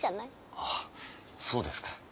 あっそうですか。